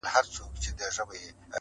بیولوژي، ستورپېژندنه